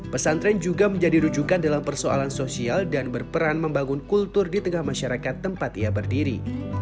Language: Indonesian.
pesantren juga menjadi rujukan dalam persoalan sosial dan berperan membangun kultur di tengah masyarakat tempat ia berdiri